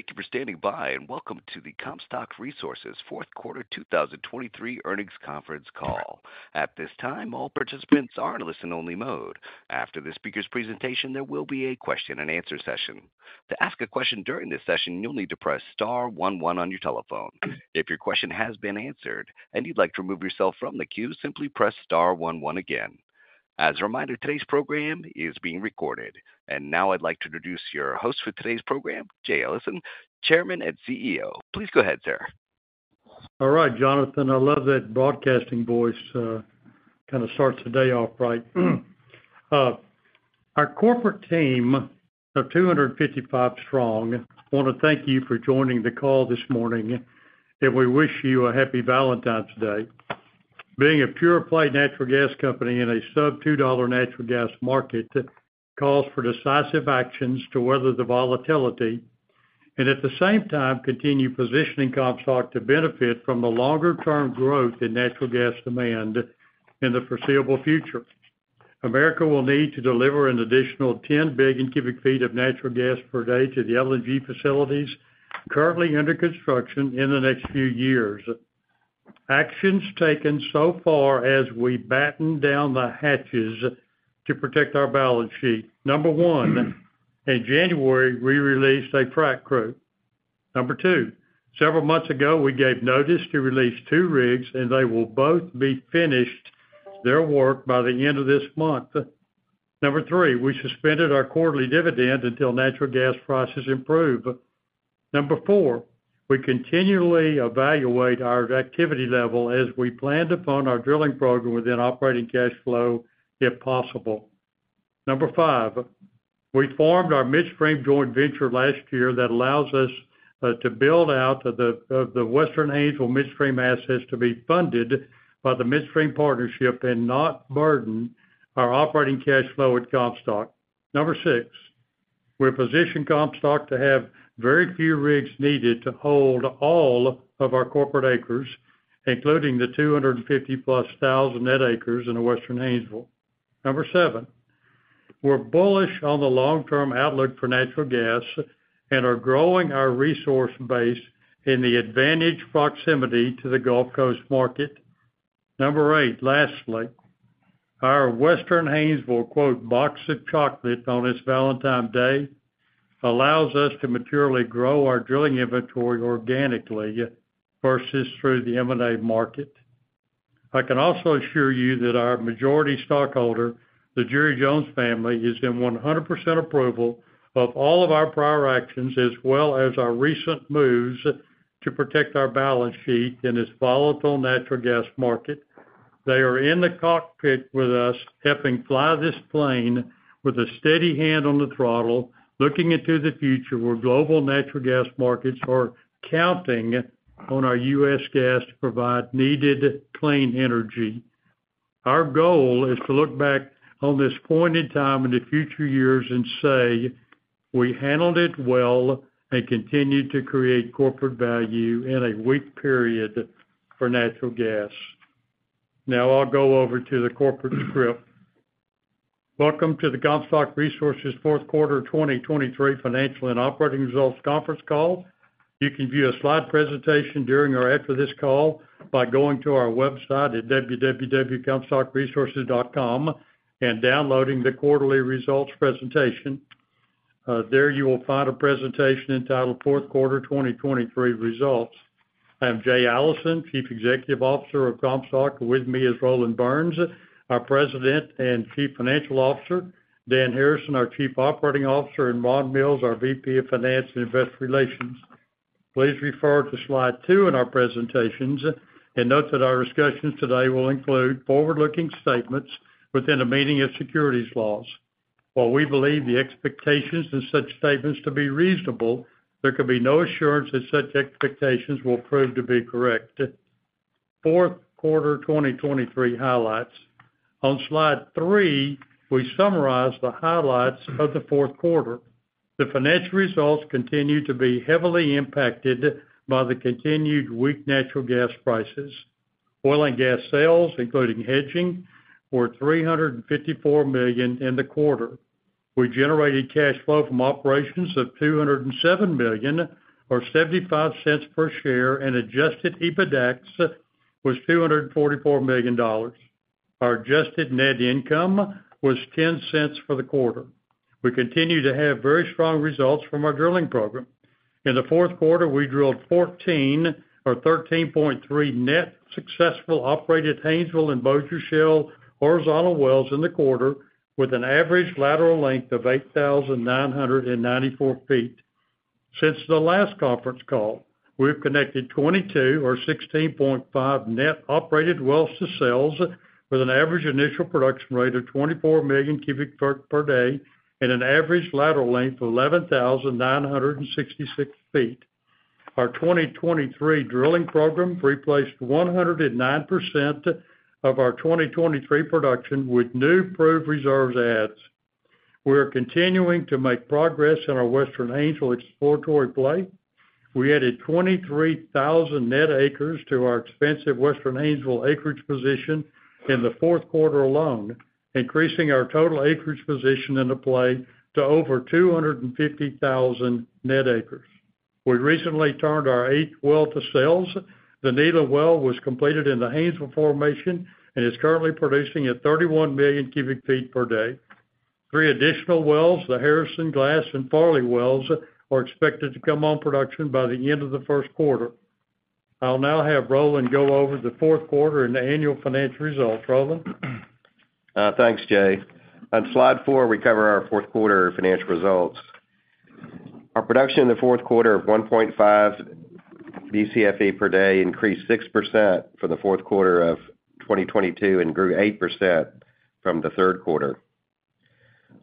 Thank you for standing by and welcome to the Comstock Resources Q4 2023 earnings conference call. At this time, all participants are in listen-only mode. After the speaker's presentation, there will be a question-and-answer session. To ask a question during this session, you'll need to press star 11 on your telephone. If your question has been answered and you'd like to remove yourself from the queue, simply press star 11 again. As a reminder, today's program is being recorded. Now I'd like to introduce your host for today's program, Jay Allison, Chairman and CEO. Please go ahead, sir. All right, Jonathan. I love that broadcasting voice, kind of starts the day off right. Our corporate team of 255 strong want to thank you for joining the call this morning, and we wish you a happy Valentine's Day. Being a pure-play natural gas company in a sub-$2 natural gas market calls for decisive actions to weather the volatility and, at the same time, continue positioning Comstock to benefit from the longer-term growth in natural gas demand in the foreseeable future. America will need to deliver an additional 10 billion cu ft of natural gas per day to the LNG facilities currently under construction in the next few years. Actions taken so far as we batten down the hatches to protect our balance sheet. Number one, in January, we released a frac crew. Number two, several months ago, we gave notice to release two rigs, and they will both be finished their work by the end of this month. Number three, we suspended our quarterly dividend until natural gas prices improve. Number four, we continually evaluate our activity level as we plan to fund our drilling program within operating cash flow, if possible. Number five, we formed our midstream joint venture last year that allows us to build out the Western Haynesville midstream assets to be funded by the midstream partnership and not burden our operating cash flow at Comstock. Number six, we've positioned Comstock to have very few rigs needed to hold all of our corporate acres, including the 250+ thousand net acres in the Western Haynesville. Number seven, we're bullish on the long-term outlook for natural gas and are growing our resource base in the advantaged proximity to the Gulf Coast market. Number eight, lastly, our Western Haynesville "box of chocolate" on its Valentine's Day allows us to maturely grow our drilling inventory organically versus through the M&A market. I can also assure you that our majority stockholder, the Jerry Jones family, is in 100% approval of all of our prior actions as well as our recent moves to protect our balance sheet in this volatile natural gas market. They are in the cockpit with us, helping fly this plane with a steady hand on the throttle, looking into the future where global natural gas markets are counting on our U.S. gas to provide needed clean energy. Our goal is to look back on this point in time in the future years and say, "We handled it well and continued to create corporate value in a weak period for natural gas." Now I'll go over to the corporate script. Welcome to the Comstock Resources Q4 2023 financial and operating results conference call. You can view a slide presentation during or after this call by going to our website at www.comstockresources.com and downloading the quarterly results presentation. There you will find a presentation entitled Q4 2023 Results. I am Jay Allison, Chief Executive Officer of Comstock. With me is Roland Burns, our President and Chief Financial Officer, Dan Harrison, our Chief Operating Officer, and Ron Mills, our VP of Finance and Investor Relations. Please refer to slide two in our presentations and note that our discussions today will include forward-looking statements within the meaning of securities laws. While we believe the expectations in such statements to be reasonable, there could be no assurance that such expectations will prove to be correct. Q4 2023 Highlights. On slide three, we summarize the highlights of the Q4. The financial results continue to be heavily impacted by the continued weak natural gas prices. Oil and gas sales, including hedging, were $354 million in the quarter. We generated cash flow from operations of $207 million, or $0.75 per share, and adjusted EBITDA was $244 million. Our adjusted net income was $0.10 for the quarter. We continue to have very strong results from our drilling program. In the Q4, we drilled 14, or 13.3, net successful operated Haynesville and Bossier Shale horizontal wells in the quarter, with an average lateral length of 8,994 ft. Since the last conference call, we've connected 22, or 16.5, net operated wells to sales, with an average initial production rate of 24 million cu ft per day and an average lateral length of 11,966 ft. Our 2023 drilling program replaced 109% of our 2023 production with new proved reserves added. We are continuing to make progress in our Western Haynesville exploratory play. We added 23,000 net acres to our extensive Western Haynesville acreage position in the Q4 alone, increasing our total acreage position in the play to over 250,000 net acres. We recently turned our eighth well to sales. The Nila well was completed in the Haynesville formation and is currently producing at 31 million cu ft per day. Three additional wells, the Harrison, Glass, and Farley wells, are expected to come on production by the end of the Q1. I'll now have Roland go over the Q4 and the annual financial results, Roland. Thanks, Jay. On slide four, we cover our Q4 financial results. Our production in the Q4 of 1.5 BCFE per day increased 6% for the Q4 of 2022 and grew 8% from the Q3.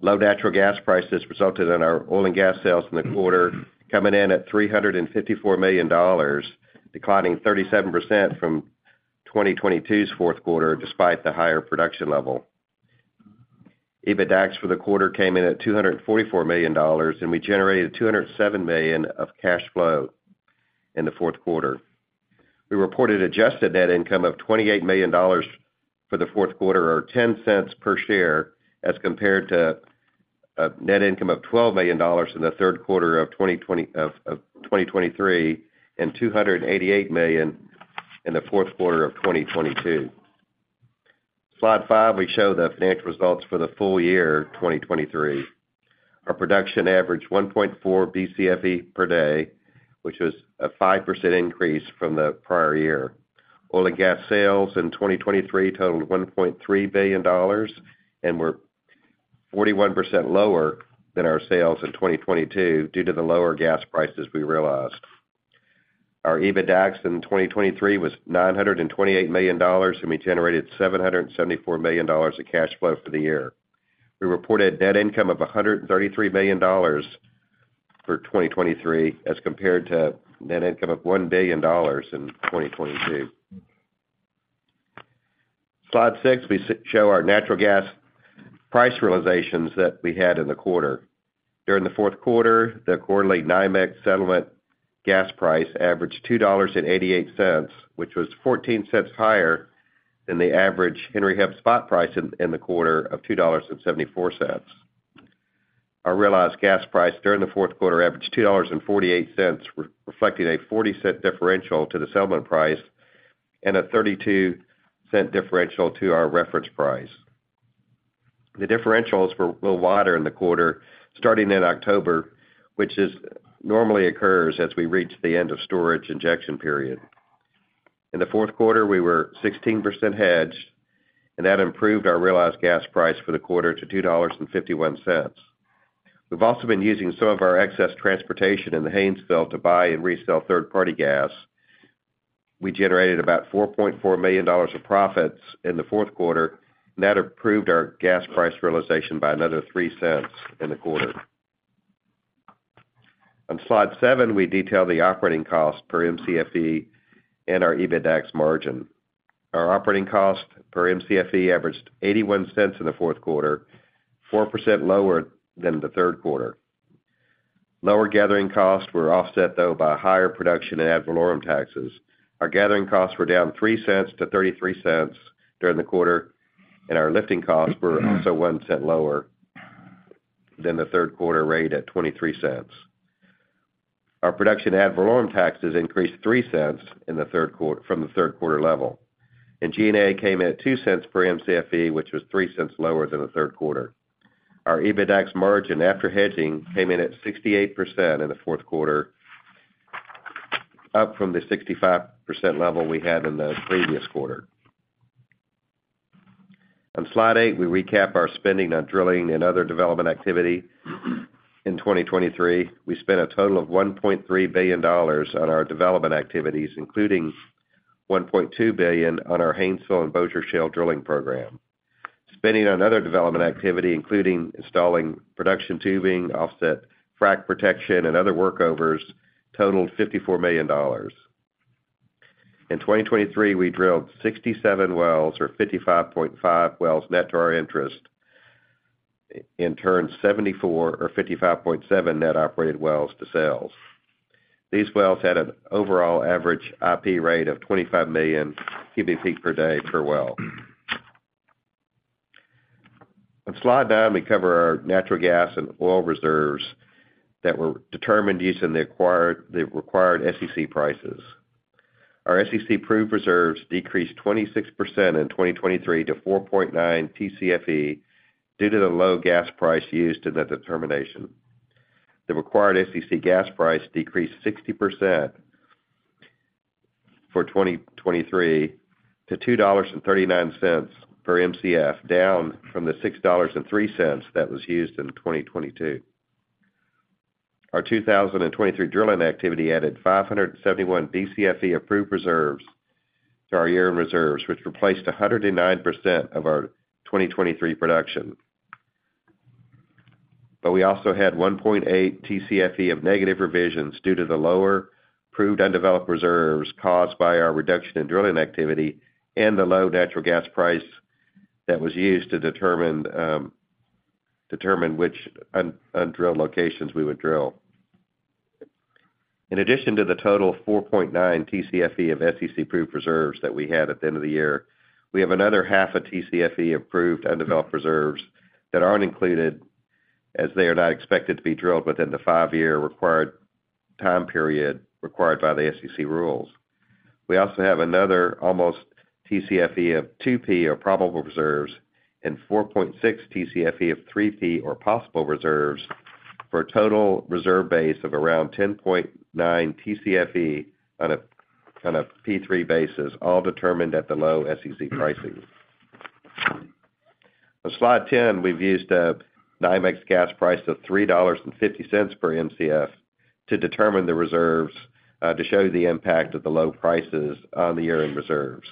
Low natural gas prices resulted in our oil and gas sales in the quarter coming in at $354 million, declining 37% from 2022's Q4 despite the higher production level. EBITDA for the quarter came in at $244 million, and we generated $207 million of cash flow in the Q4. We reported adjusted net income of $28 million for the Q4, or $0.10 per share, as compared to net income of $12 million in the Q3 of 2023 and $288 million in the Q4 of 2022. Slide five, we show the financial results for the full year 2023. Our production averaged 1.4 BCFE per day, which was a 5% increase from the prior year. Oil and gas sales in 2023 totaled $1.3 billion and were 41% lower than our sales in 2022 due to the lower gas prices we realized. Our EBITDA in 2023 was $928 million, and we generated $774 million of cash flow for the year. We reported net income of $133 million for 2023 as compared to net income of $1 billion in 2022. Slide six, we show our natural gas price realizations that we had in the quarter. During the Q4, the quarterly NYMEX settlement gas price averaged $2.88, which was $0.14 higher than the average Henry Hub spot price in the quarter of $2.74. Our realized gas price during the Q4 averaged $2.48, reflecting a $0.40 differential to the settlement price and a $0.32 differential to our reference price. The differentials were a little wider in the quarter starting in October, which normally occurs as we reach the end of storage injection period. In the Q4, we were 16% hedged, and that improved our realized gas price for the quarter to $2.51. We've also been using some of our excess transportation in the Haynesville to buy and resell third-party gas. We generated about $4.4 million of profits in the Q4, and that improved our gas price realization by another $0.03 in the quarter. On slide seven, we detail the operating cost per MCFE and our EBITDA margin. Our operating cost per MCFE averaged $0.81 in the Q4, 4% lower than the Q3. Lower gathering costs were offset, though, by higher production and ad valorem taxes. Our gathering costs were down $0.03 to $0.33 during the quarter, and our lifting costs were also $0.01 lower than the Q3 rate at $0.23, Our production ad valorem taxes increased $0.03 from the Q3 level, and G&A came in at $0.02 MCFE, which was $0.03 lower than the Q3. Our EBITDA margin after hedging came in at 68% in the Q4, up from the 65% level we had in the previous quarter. On slide eight, we recap our spending on drilling and other development activity in 2023. We spent a total of $1.3 billion on our development activities, including $1.2 billion on our Haynesville and Bossier Shale drilling program. Spending on other development activity, including installing production tubing, offset frac protection, and other workovers, totaled $54 million. In 2023, we drilled 67 wells, or 55.5 wells net to our interest, and turned 74, or 55.7, net operated wells to sales. These wells had an overall average IP rate of 25 million cu ft per day per well. On slide nine, we cover our natural gas and oil reserves that were determined using the required SEC prices. Our SEC-proved reserves decreased 26% in 2023 to 4.9 TCFE due to the low gas price used in that determination. The required SEC gas price decreased 60% for 2023 to $2.39 per MCF, down from the $6.03 that was used in 2022. Our 2023 drilling activity added 571 BCFE approved reserves to our year-end reserves, which replaced 109% of our 2023 production. But we also had 1.8 TCFE of negative revisions due to the lower proved undeveloped reserves caused by our reduction in drilling activity and the low natural gas price that was used to determine which undrilled locations we would drill. In addition to the total 4.9 TCFE of SEC-proved reserves that we had at the end of the year, we have another 0.5 TCFE of proved undeveloped reserves that aren't included as they are not expected to be drilled within the five-year required time period required by the SEC rules. We also have another almost 1 TCFE of 2P or probable reserves and 4.6 TCFE of 3P or possible reserves for a total reserve base of around 10.9 TCFE on a 3P basis, all determined at the low SEC pricing. On slide 10, we've used a NYMEX gas price of $3.50 per MCF to determine the reserves to show the impact of the low prices on the year-end reserves.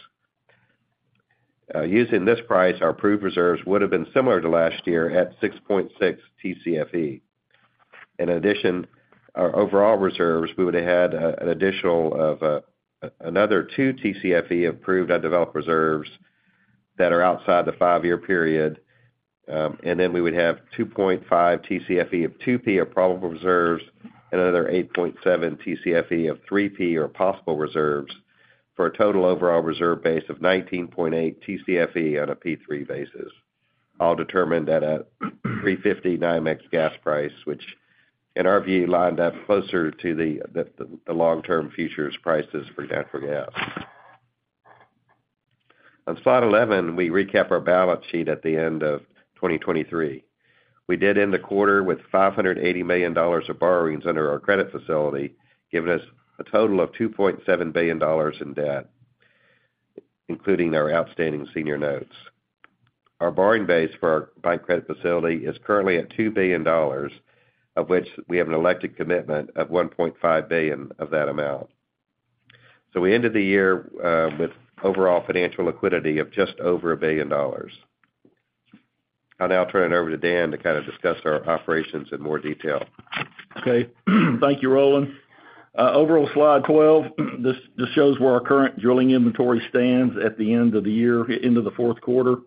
Using this price, our proved reserves would have been similar to last year at 6.6 TCFE. In addition, our overall reserves, we would have had an additional of another 2 TCFE of proved undeveloped reserves that are outside the five-year period, and then we would have 2.5 TCFE of 2P or probable reserves and another 8.7 TCFE of 3P or possible reserves for a total overall reserve base of 19.8 TCFE on a 3P basis, all determined at a $3.50 NYMEX gas price, which, in our view, lined up closer to the long-term futures prices for natural gas. On slide 11, we recap our balance sheet at the end of 2023. We did end the quarter with $580 million of borrowings under our credit facility, giving us a total of $2.7 billion in debt, including our outstanding senior notes. Our borrowing base for our bank credit facility is currently at $2 billion, of which we have an elected commitment of $1.5 billion of that amount. So we ended the year with overall financial liquidity of just over $1 billion. I'll now turn it over to Dan to kind of discuss our operations in more detail. Okay. Thank you, Roland. Overall, slide 12, this shows where our current drilling inventory stands at the end of the year, end of the Q4.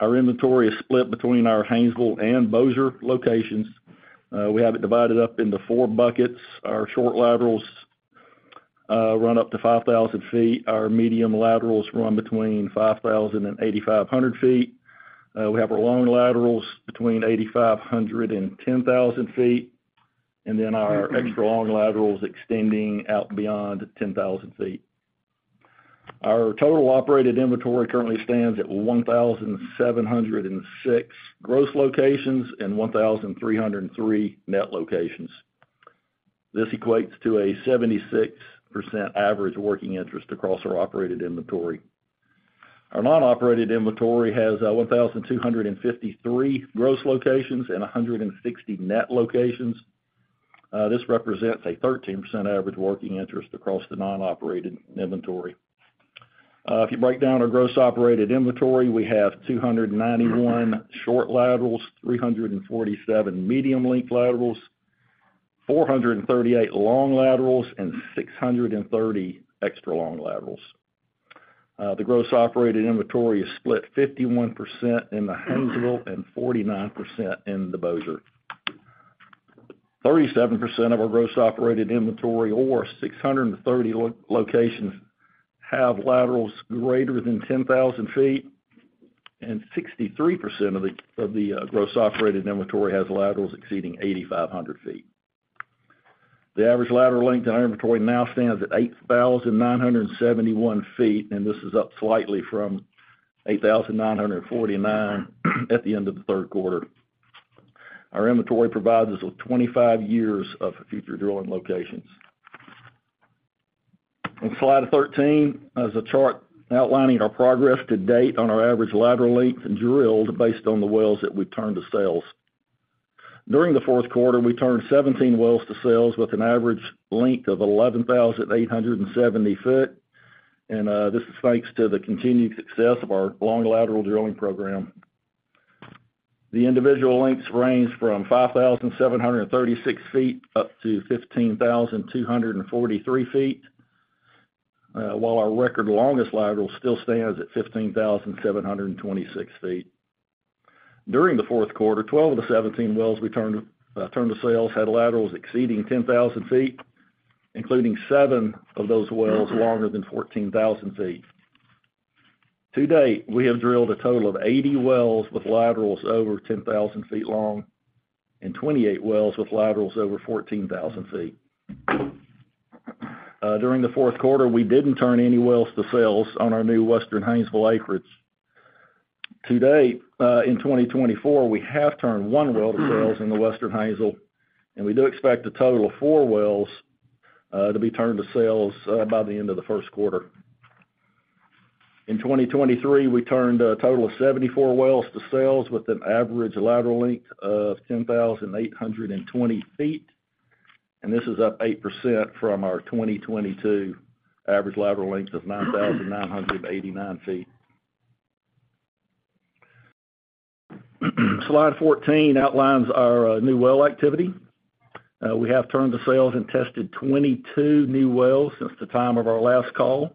Our inventory is split between our Haynesville and Bossier locations. We have it divided up into four buckets. Our short laterals run up to 5,000 ft. Our medium laterals run between 5,000-8,500 ft. We have our long laterals between 8,500-10,000 ft, and then our extra long laterals extending out beyond 10,000 ft. Our total operated inventory currently stands at 1,706 gross locations and 1,303 net locations. This equates to a 76% average working interest across our operated inventory. Our non-operated inventory has 1,253 gross locations and 160 net locations. This represents a 13% average working interest across the non-operated inventory. If you break down our gross operated inventory, we have 291 short laterals, 347 medium-length laterals, 438 long laterals, and 630 extra long laterals. The gross operated inventory is split 51% in the Haynesville and 49% in the Bossier. 37% of our gross operated inventory, or 630 locations, have laterals greater than 10,000 ft, and 63% of the gross operated inventory has laterals exceeding 8,500 ft. The average lateral length in our inventory now stands at 8,971 ft, and this is up slightly from 8,949 ft at the end of the Q3. Our inventory provides us with 25 years of future drilling locations. On slide 13, there's a chart outlining our progress to date on our average lateral length and drilled based on the wells that we've turned to sales. During the Q4, we turned 17 wells to sales with an average length of 11,870 ft, and this is thanks to the continued success of our long lateral drilling program. The individual lengths range from 5,736 ft up to 15,243 ft, while our record longest lateral still stands at 15,726 ft. During the Q4, 12 of the 17 wells we turned to sales had laterals exceeding 10,000 ft, including seven of those wells longer than 14,000 ft. To date, we have drilled a total of 80 wells with laterals over 10,000 ft long and 28 wells with laterals over 14,000 ft. During the Q4, we didn't turn any wells to sales on our new Western Haynesville acreage. To date, in 2024, we have turned one well to sales in the Western Haynesville, and we do expect a total of four wells to be turned to sales by the end of the Q1. In 2023, we turned a total of 74 wells to sales with an average lateral length of 10,820 ft, and this is up 8% from our 2022 average lateral length of 9,989 ft. Slide 14 outlines our new well activity. We have turned to sales and tested 22 new wells since the time of our last call.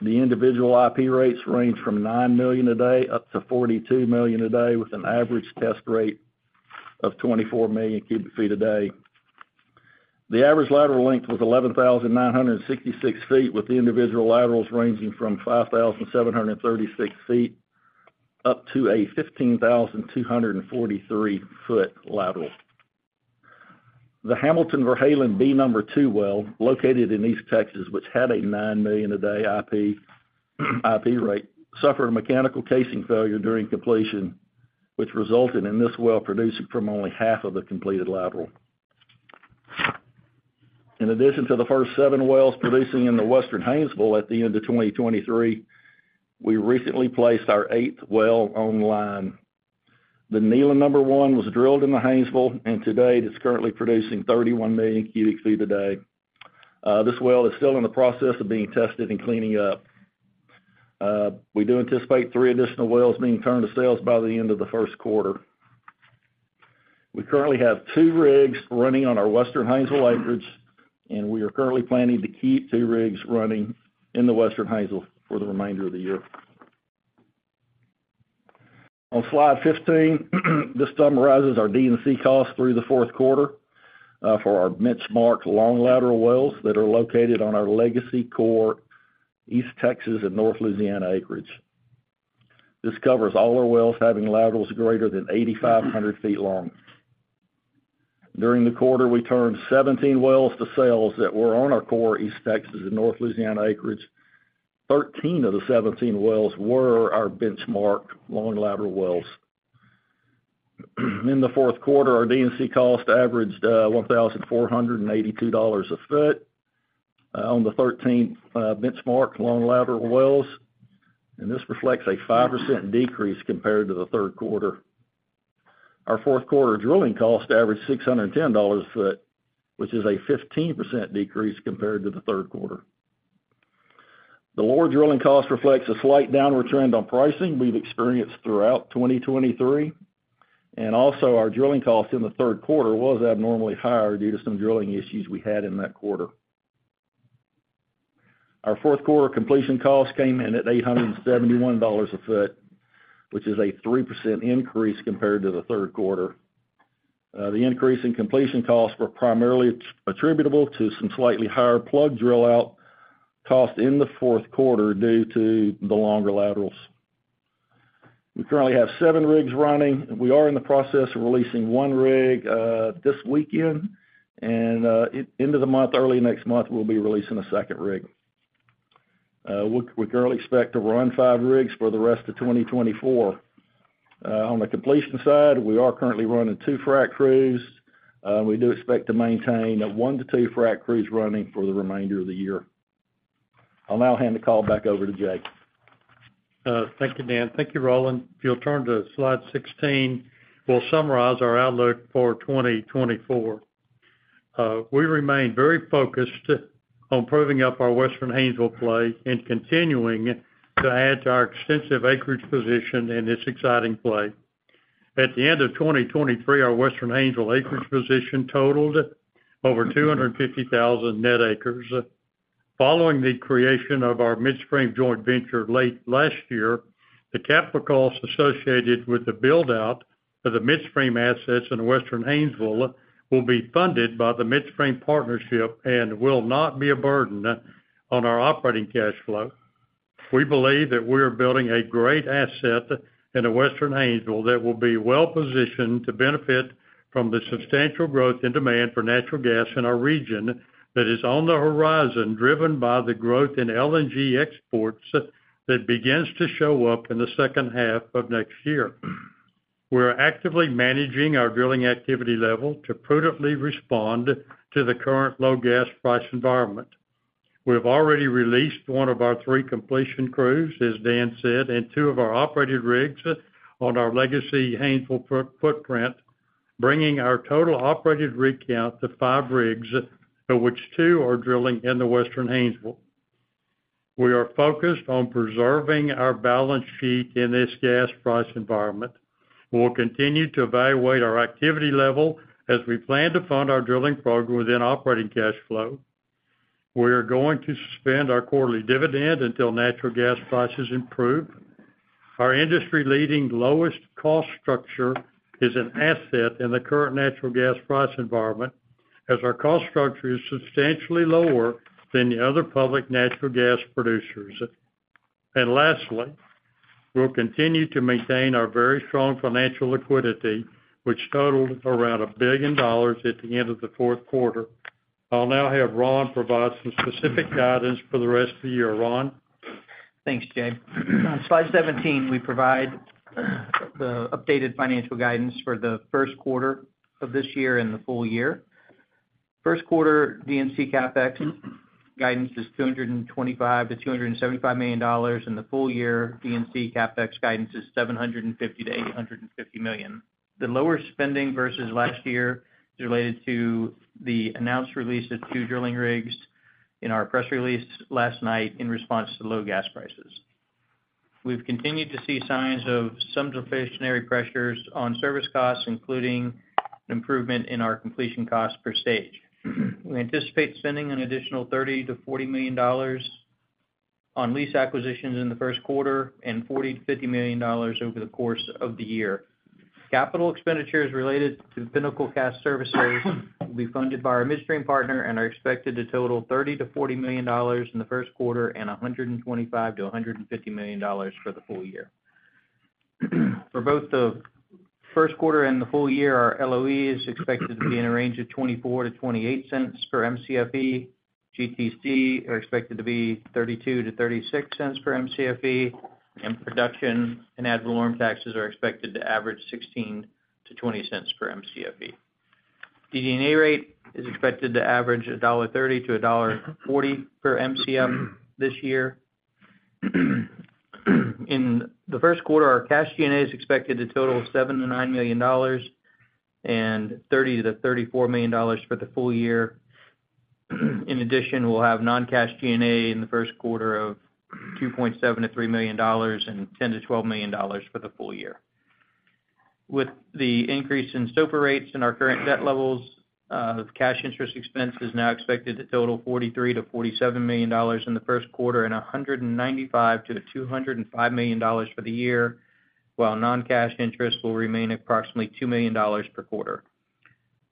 The individual IP rates range from 9 million a day up to 42 million a day with an average test rate of 24 million cu ft a day. The average lateral length was 11,966 ft with the individual laterals ranging from 5,736 ft up to a 15,243-foot lateral. The Hamilton Verhalen B No. 2 well, located in East Texas, which had a 9 million a day IP rate, suffered a mechanical casing failure during completion, which resulted in this well producing from only half of the completed lateral. In addition to the first seven wells producing in the Western Haynesville at the end of 2023, we recently placed our eighth well online. The Nila No. 1 was drilled in the Haynesville, and to date, it's currently producing 31 million cu ft a day. This well is still in the process of being tested and cleaning up. We do anticipate three additional wells being turned to sales by the end of the Q1. We currently have two rigs running on our Western Haynesville acreage, and we are currently planning to keep two rigs running in the Western Haynesville for the remainder of the year. On slide 15, this summarizes our D&C costs through the Q4 for our benchmark long lateral wells that are located on our Legacy Core, East Texas and North Louisiana acreage. This covers all our wells having laterals greater than 8,500 ft long. During the quarter, we turned 17 wells to sales that were on our Core, East Texas and North Louisiana acreage. 13 of the 17 wells were our benchmark long lateral wells. In the Q4, our D&C cost averaged $1,482 a foot on the 13th benchmark long lateral wells, and this reflects a 5% decrease compared to the Q3. Our Q4 drilling cost averaged $610 a foot, which is a 15% decrease compared to the Q3. The lower drilling cost reflects a slight downward trend on pricing we've experienced throughout 2023, and also our drilling cost in the Q3 was abnormally higher due to some drilling issues we had in that quarter. Our Q4 completion cost came in at $871 a foot, which is a 3% increase compared to the Q3. The increase in completion costs were primarily attributable to some slightly higher plug drill-out cost in the Q4 due to the longer laterals. We currently have seven rigs running. We are in the process of releasing one rig this weekend, and end of the month, early next month, we'll be releasing a second rig. We currently expect to run five rigs for the rest of 2024. On the completion side, we are currently running two frac crews, and we do expect to maintain one to two frac crews running for the remainder of the year. I'll now hand the call back over to Jay. Thank you, Dan. Thank you, Roland. If you'll turn to slide 16, we'll summarize our outlook for 2024. We remain very focused on proving up our Western Haynesville play and continuing to add to our extensive acreage position in this exciting play. At the end of 2023, our Western Haynesville acreage position totaled over 250,000 net acres. Following the creation of our midstream joint venture late last year, the capital costs associated with the build-out of the midstream assets in Western Haynesville will be funded by the Midstream Partnership and will not be a burden on our operating cash flow. We believe that we are building a great asset in the Western Haynesville that will be well positioned to benefit from the substantial growth in demand for natural gas in our region that is on the horizon, driven by the growth in LNG exports that begins to show up in the second half of next year. We're actively managing our drilling activity level to prudently respond to the current low gas price environment. We've already released one of our three completion crews, as Dan said, and two of our operated rigs on our Legacy Haynesville footprint, bringing our total operated rig count to five rigs, of which two are drilling in the Western Haynesville. We are focused on preserving our balance sheet in this gas price environment. We'll continue to evaluate our activity level as we plan to fund our drilling program within operating cash flow. We are going to suspend our quarterly dividend until natural gas prices improve. Our industry-leading lowest cost structure is an asset in the current natural gas price environment as our cost structure is substantially lower than the other public natural gas producers. Lastly, we'll continue to maintain our very strong financial liquidity, which totaled around $1 billion at the end of the Q4. I'll now have Ron provide some specific guidance for the rest of the year. Ron? Thanks, Jay. On slide 17, we provide the updated financial guidance for the Q1 of this year and the full year. Q1 D&C CapEx guidance is $225 to 275 million, and the full year D&C CapEx guidance is $750 to 850 million. The lower spending versus last year is related to the announced release of two drilling rigs in our press release last night in response to low gas prices. We've continued to see signs of some deflationary pressures on service costs, including an improvement in our completion costs per stage. We anticipate spending an additional $30 to 40 million on lease acquisitions in the Q1 and $40 to 50 million over the course of the year. Capital expenditures related to the Pinnacle Gas Services will be funded by our midstream partner and are expected to total $30 to 40 million in the Q1 and $125 to 150 million for the full year. For both the Q1 and the full year, our LOE is expected to be in the range of $0.24 to $0.28 per MCFE. GTC are expected to be $0.32 to $0.36 per MCFE, and production and ad valorem taxes are expected to average $0.16 to $0.20 per MCFE. DD&A rate is expected to average $1.30 to $1.40 per MCF this year. In the Q1, our cash G&A is expected to total $7 to 9 million and $30 to 34 million for the full year. In addition, we'll have non-cash G&A in the Q1 of $2.7 to 3 million and $10 to 12 million for the full year. With the increase in SOFR rates and our current debt levels, cash interest expense is now expected to total $43 to 47 million in the Q1 and $195 to 205 million for the year, while non-cash interest will remain approximately $2 million per quarter.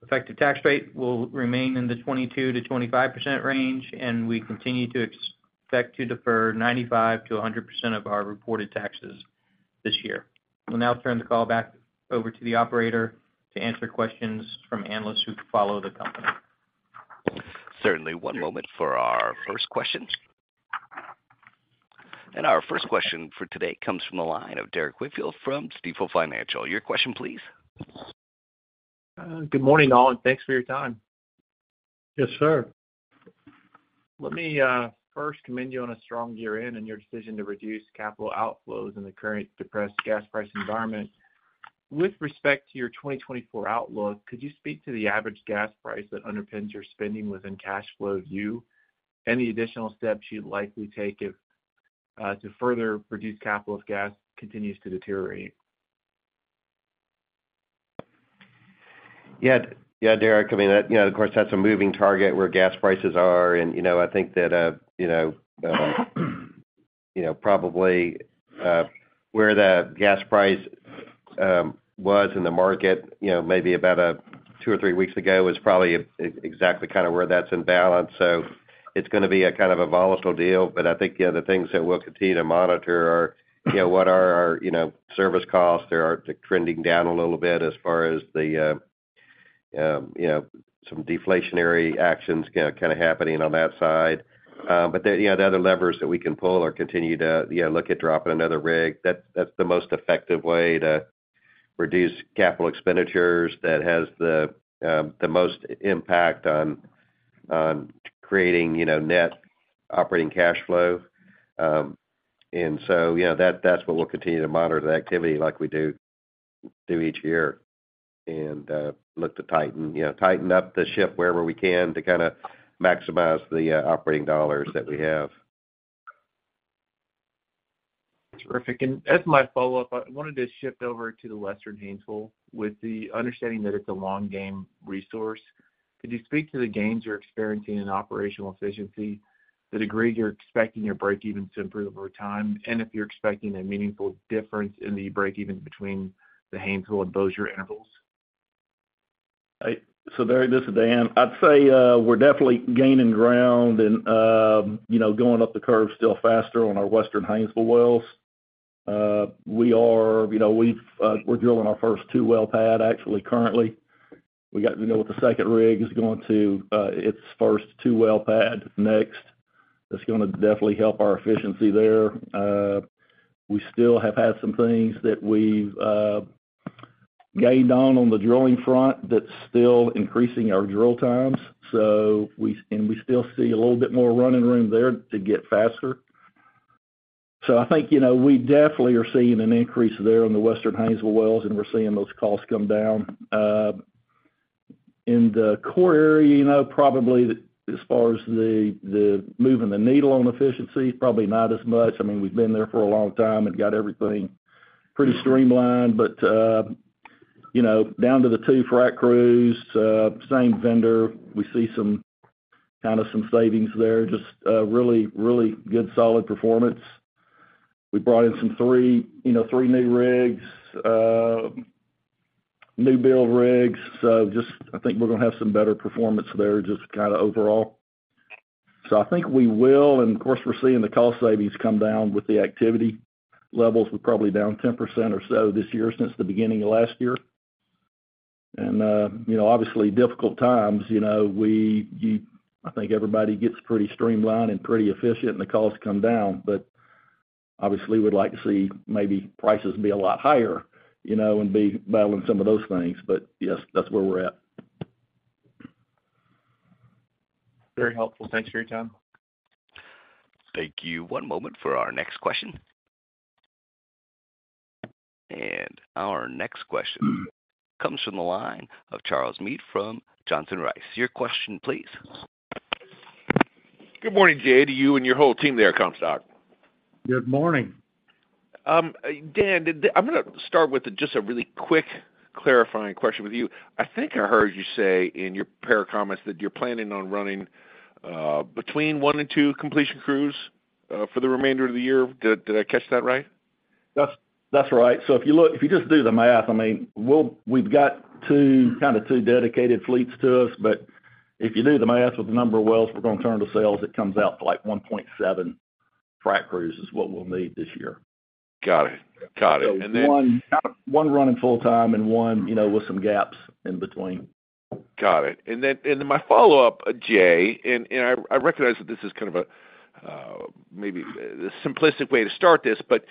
Effective tax rate will remain in the 22% to 25% range, and we continue to expect to defer 95% to 100% of our reported taxes this year. We'll now turn the call back over to the operator to answer questions from analysts who follow the company. Certainly. One moment for our first question. Our first question for today comes from the line of Derek Whitfield from Stifel Financial. Your question, please. Good morning, Daniel. Thanks for your time. Yes, sir. Let me first commend you on a strong year-end and your decision to reduce capital outflows in the current depressed gas price environment. With respect to your 2024 outlook, could you speak to the average gas price that underpins your spending within cash flow view and the additional steps you'd likely take if to further reduce capital if gas continues to deteriorate? Yeah, Derek. I mean, of course, that's a moving target where gas prices are, and I think that probably where the gas price was in the market maybe about two or three weeks ago is probably exactly kind of where that's in balance. It's going to be kind of a volatile deal, but I think the things that we'll continue to monitor are what are our service costs? They're trending down a little bit as far as some deflationary actions kind of happening on that side. But the other levers that we can pull are continue to look at dropping another rig. That's the most effective way to reduce capital expenditures that has the most impact on creating net operating cash flow. And so that's what we'll continue to monitor, the activity like we do each year, and look to tighten up the ship wherever we can to kind of maximize the operating dollars that we have. Terrific. As my follow-up, I wanted to shift over to the Western Haynesville with the understanding that it's a long-game resource. Could you speak to the gains you're experiencing in operational efficiency, the degree you're expecting your break-evens to improve over time, and if you're expecting a meaningful difference in the break-evens between the Haynesville and Bossier intervals? Derek, this is Dan. I'd say we're definitely gaining ground and going up the curve still faster on our Western Haynesville wells. We're drilling our first two-well pad, actually, currently. With the second rig, it's going to its first two-well pad next. That's going to definitely help our efficiency there. We still have had some things that we've gained on on the drilling front that's still increasing our drill times, and we still see a little bit more running room there to get faster. I think we definitely are seeing an increase there on the Western Haynesville wells, and we're seeing those costs come down. In the core area, probably as far as moving the needle on efficiency, probably not as much. I mean, we've been there for a long time and got everything pretty streamlined. Down to the two frac crews, same vendor. We see kind of some savings there, just really, really good solid performance. We brought in some three new rigs, new-build rigs, so I think we're going to have some better performance there just kind of overall. So I think we will, and of course, we're seeing the cost savings come down with the activity levels. We're probably down 10% or so this year since the beginning of last year. Obviously, difficult times. I think everybody gets pretty streamlined and pretty efficient, and the costs come down. But obviously, we'd like to see maybe prices be a lot higher and be battling some of those things. But yes, that's where we're at. Very helpful. Thanks for your time. Thank you. One moment for our next question. Our next question comes from the line of Charles Meade from Johnson Rice. Your question, please. Good morning, Jay, to you and your whole team there, Comstock. Good morning. Dan, I'm going to start with just a really quick clarifying question with you. I think I heard you say in your pair of comments that you're planning on running between one and two completion crews for the remainder of the year. Did I catch that right? That's right. So if you just do the math, I mean, we've got kind of two dedicated fleets to us, but if you do the math with the number of wells we're going to turn to sales, it comes out to like 1.7 frac crews is what we'll need this year. Got it. Got it. And then. One running full-time and one with some gaps in between. Got it. Then my follow-up, Jay, and I recognize that this is kind of a maybe a simplistic way to start this, but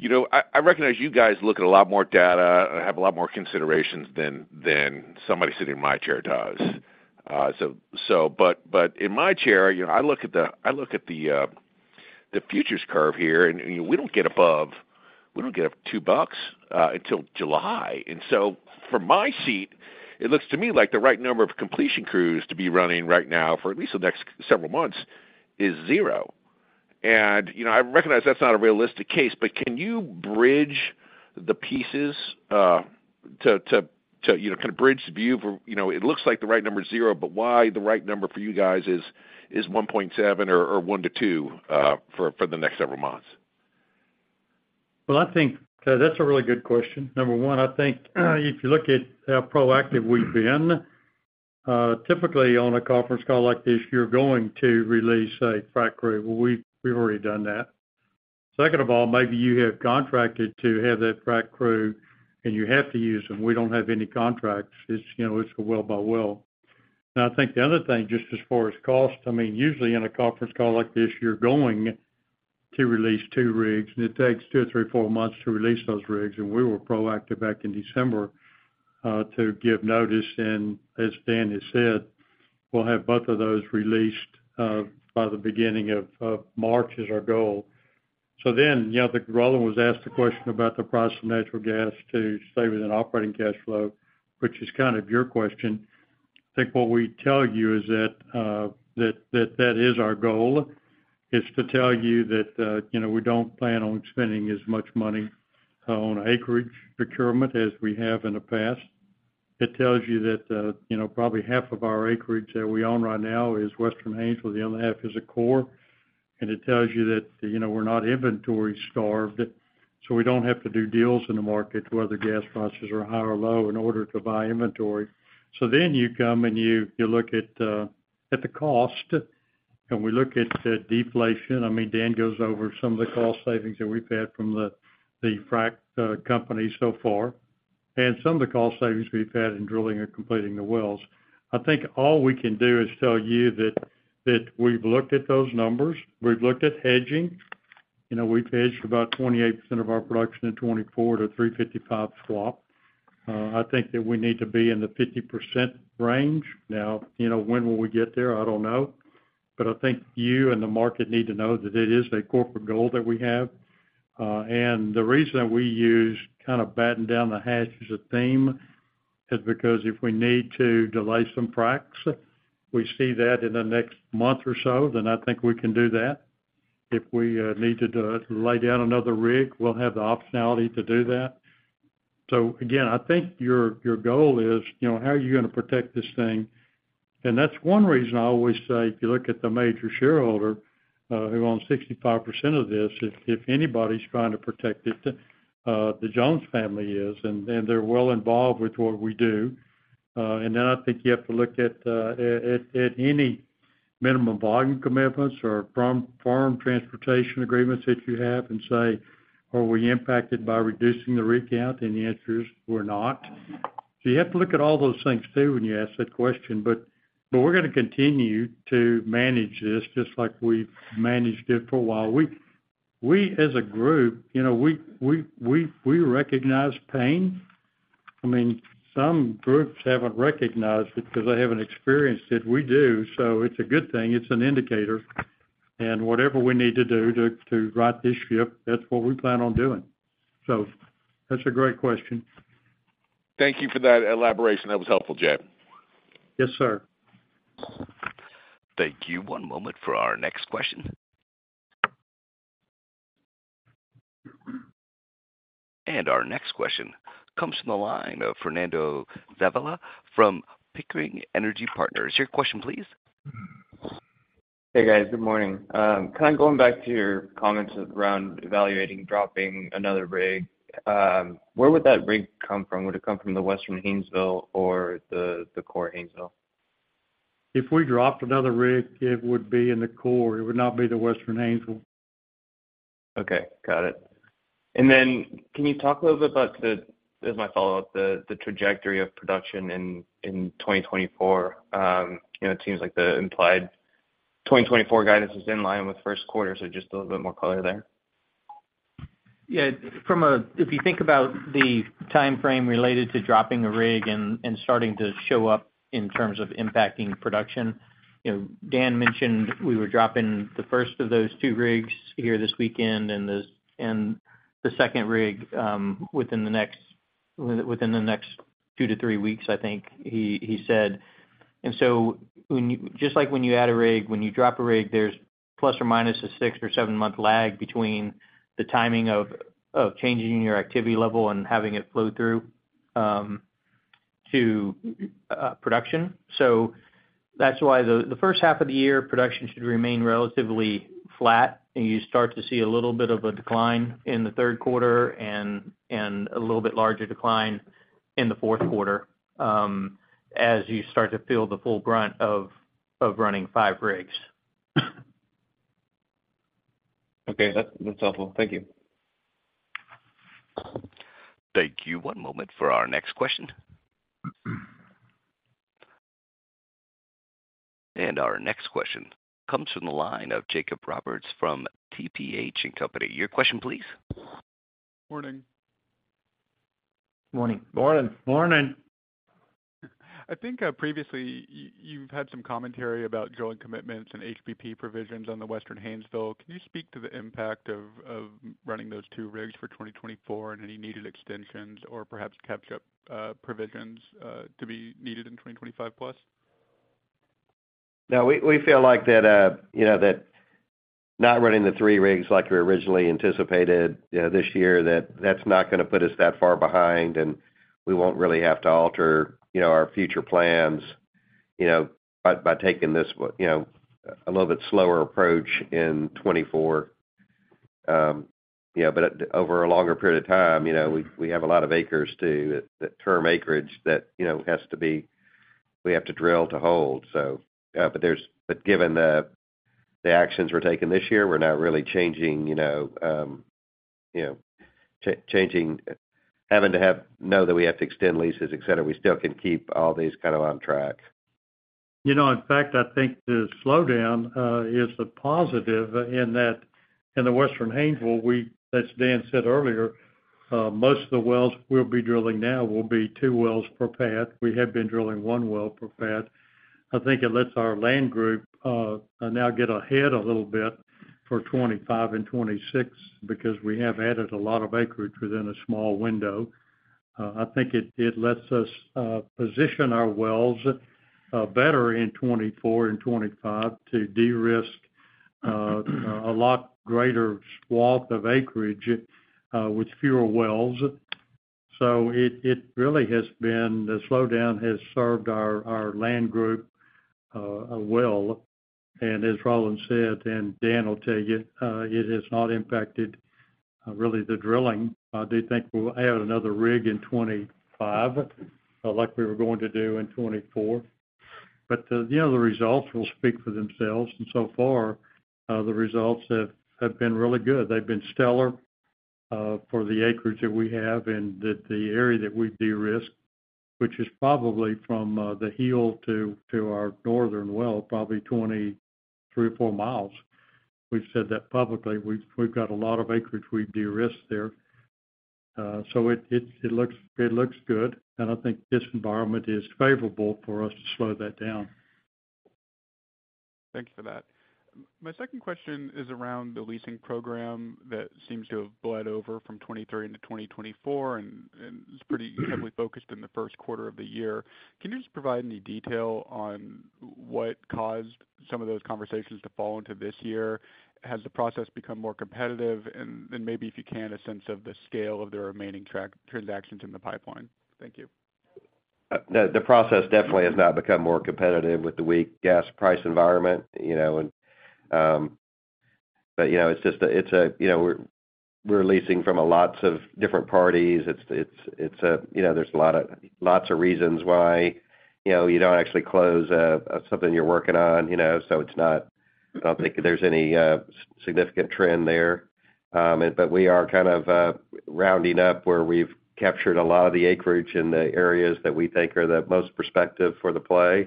I recognize you guys look at a lot more data and have a lot more considerations than somebody sitting in my chair does. But in my chair, I look at the futures curve here, and we don't get above we don't get up $2 until July. From my seat, it looks to me like the right number of completion crews to be running right now for at least the next several months is zero. And I recognize that's not a realistic case, but can you bridge the pieces to kind of bridge the view for it looks like the right number is zero, but why the right number for you guys is 1.7 or 1-2 for the next several months? Well, I think that's a really good question. Number one, I think if you look at how proactive we've been, typically on a conference call like this, you're going to release a frac crew. Well, we've already done that. Second of all, maybe you have contracted to have that frac crew, and you have to use them we don't have any contracts. It's a well-by-well. Now, I think the other thing, just as far as cost, I mean, usually in a conference call like this, you're going to release two rigs, and it takes two or three, four months to release those rigs and we were proactive back in December to give notice. As Dan has said, we'll have both of those released by the beginning of March is our goal. Then Roland was asked a question about the price of natural gas to stay within operating cash flow, which is kind of your question. I think what we tell you is that that is our goal. It's to tell you that we don't plan on spending as much money on acreage procurement as we have in the past. It tells you that probably half of our acreage that we own right now is Western Haynesville the other half is a core. It tells you that we're not inventory-starved, so we don't have to do deals in the market whether gas prices are high or low in order to buy inventory. So then you come and you look at the cost, and we look at deflation i mean, Dan goes over some of the cost savings that we've had from the frac company so far and some of the cost savings we've had in drilling and completing the wells. I think all we can do is tell you that we've looked at those numbers. We've looked at hedging. We've hedged about 28% of our production in 2024 to $3.55 swap. I think that we need to be in the 50% range. Now, when will we get there? I don't know. But I think you and the market need to know that it is a corporate goal that we have. The reason that we use kind of batting down the hatch as a theme is because if we need to delay some fracs, we see that in the next month or so, then I think we can do that. If we need to lay down another rig, we'll have the optionality to do that. Again, I think your goal is how are you going to protect this thing? And that's one reason I always say if you look at the major shareholder who owns 65% of this, if anybody's trying to protect it, the Jones family is, and they're well involved with what we do. Then I think you have to look at any minimum volume commitments or farm transportation agreements that you have and say, "Are we impacted by reducing the recount?" And the answer is, "We're not." So you have to look at all those things too when you ask that question. We're going to continue to manage this just like we've managed it for a while. We, as a group, we recognize pain. I mean, some groups haven't recognized it because they haven't experienced it we do. So it's a good thing. It's an indicator. And whatever we need to do to right this ship, that's what we plan on doing. That's a great question. Thank you for that elaboration. That was helpful, Jay. Yes, sir. Thank you. One moment for our next question. Our next question comes from the line of Fernando Zavala from Pickering Energy Partners. Your question, please. Hey, guys. Good morning. Kind of going back to your comments around evaluating dropping another rig, where would that rig come from? Would it come from the Western Haynesville or the core Haynesville? If we dropped another rig, it would be in the core. It would not be the Western Haynesville. Okay. Got it. And then can you talk a little bit about - as my follow-up - the trajectory of production in 2024? It seems like the implied 2024 guidance is in line with Q1, so just a little bit more color there. Yeah. If you think about the timeframe related to dropping a rig and starting to show up in terms of impacting production, Dan mentioned we were dropping the first of those two rigs here this weekend and the second rig within the next two to three weeks, I think he said. Just like when you add a rig, when you drop a rig, there's plus or minus a six or seven-month lag between the timing of changing your activity level and having it flow through to production. That's why the first half of the year, production should remain relatively flat, and you start to see a little bit of a decline in the Q3 and a little bit larger decline in the Q4 as you start to feel the full brunt of running five rigs. Okay. That's helpful. Thank you. Thank you. One moment for our next question. Our next question comes from the line of Jacob Roberts from TPH & Co. Your question, please. Morning. Morning. Morning. Morning. I think previously, you've had some commentary about drilling commitments and HBP provisions on the Western Haynesville. Can you speak to the impact of running those two rigs for 2024 and any needed extensions or perhaps catch-up provisions to be needed in 2025+? We feel like that not running the three rigs like we originally anticipated this year, that's not going to put us that far behind, and we won't really have to alter our future plans by taking this a little bit slower approach in 2024. But over a longer period of time, we have a lot of acres too, that term acreage that has to be we have to drill to hold, But given the actions we're taking this year, we're not really changing having to know that we have to extend leases, etc. we still can keep all these kind of on track. In fact, I think the slowdown is a positive in that in the Western Haynesville, as Dan said earlier, most of the wells we'll be drilling now will be two wells per pad. We have been drilling one well per pad. I think it lets our land group now get ahead a little bit for 2025 and 2026 because we have added a lot of acreage within a small window. I think it lets us position our wells better in 2024 and 2025 to de-risk a lot greater swath of acreage with fewer wells. It really has been the slowdown has served our land group well. And as Roland said, and Dan will tell you, it has not impacted really the drilling. I do think we'll add another rig in 2025 like we were going to do in 2024. But the results will speak for themselves. So far, the results have been really good they've been stellar for the acreage that we have and the area that we've de-risked, which is probably from the heel to our northern well, probably 23 or 24 miles. We've said that publicly we've got a lot of acreage we've de-risked there. It looks good. I think this environment is favorable for us to slow that down. Thank you for that. My second question is around the leasing program that seems to have bled over from 2023 into 2024, and it's pretty heavily focused in the Q1 of the year. Can you just provide any detail on what caused some of those conversations to fall into this year? Has the process become more competitive? And maybe if you can, a sense of the scale of the remaining transactions in the pipeline. Thank you. The process definitely has not become more competitive with the weak gas price environment. But it's just we're leasing from lots of different parties. There's lots of reasons why you don't actually close something you're working on so I don't think there's any significant trend there. But we are kind of rounding up where we've captured a lot of the acreage in the areas that we think are the most prospective for the play.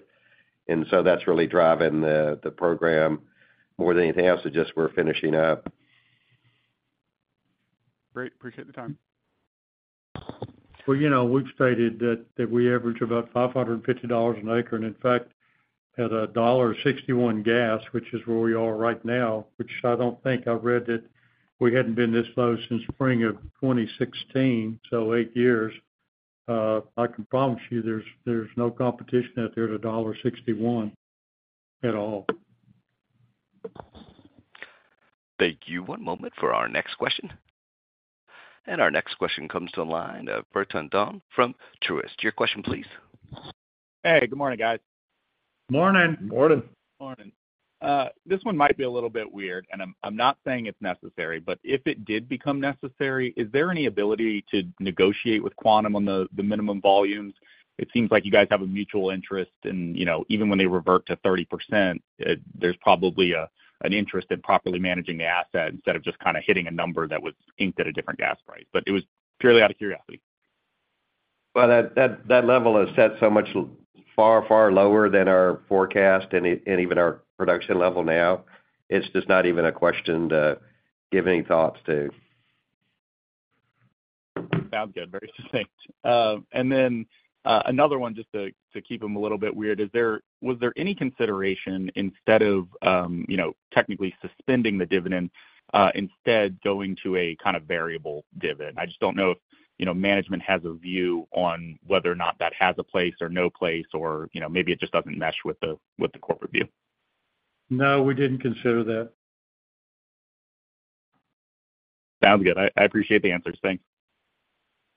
And so that's really driving the program more than anything else it's just we're finishing up. Great. Appreciate the time. We've stated that we average about $550 an acre and, in fact, had $1.61 gas, which is where we are right now, which I don't think I read that we hadn't been this low since spring of 2016, so eight years. I can promise you there's no competition out there at $1.61 at all. Thank you. One moment for our next question. And our next question comes to the line of Bertrand Donnes from Truist. Your question, please. Hey. Good morning, guys. Morning. Morning. Morning. This one might be a little bit weird, and I'm not saying it's necessary but if it did become necessary, is there any ability to negotiate with Quantum on the minimum volumes? It seems like you guys have a mutual interest, and even when they revert to 30%, there's probably an interest in properly managing the asset instead of just kind of hitting a number that was inked at a different gas price but it was purely out of curiosity. Well, that level is set so much far, far lower than our forecast and even our production level now. It's just not even a question to give any thoughts to. Sounds good. Very succinct. Then another one, just to keep them a little bit weird, was there any consideration instead of technically suspending the dividend, instead going to a kind of variable dividend? I just don't know if management has a view on whether or not that has a place or no place, or maybe it just doesn't mesh with the corporate view. No, we didn't consider that. Sounds good. I appreciate the answers. Thanks.